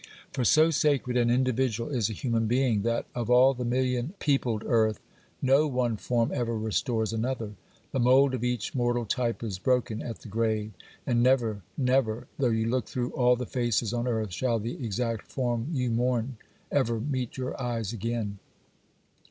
For so sacred and individual is a human being, that, of all the million peopled earth, no one form ever restores another. The mould of each mortal type is broken at the grave; and never, never, though you look through all the faces on earth, shall the exact form you mourn ever meet your eyes again!